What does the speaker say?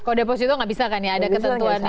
kalau deposito nggak bisa kan ya ada ketentuannya